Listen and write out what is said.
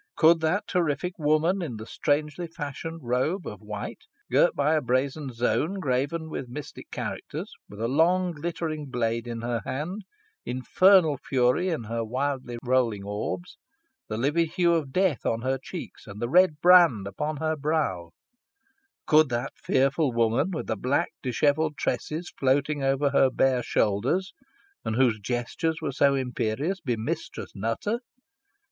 Could that terrific woman in the strangely fashioned robe of white, girt by a brazen zone graven with mystic characters, with a long glittering blade in her hand, infernal fury in her wildly rolling orbs, the livid hue of death on her cheeks, and the red brand upon her brow could that fearful woman, with the black dishevelled tresses floating over her bare shoulders, and whose gestures were so imperious, be Mistress Nutter?